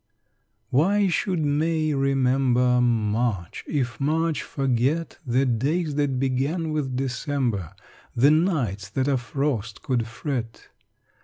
X Why should May remember March, if March forget The days that began with December The nights that a frost could fret?